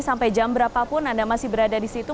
sampai jam berapa pun anda masih berada di situ